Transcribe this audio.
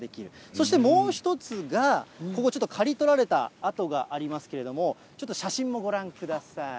そしてもう一つが、ここちょっと刈り取られた跡がありますけれども、ちょっと写真もご覧ください。